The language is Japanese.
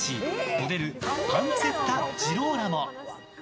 モデルパンツェッタ・ジローラモ。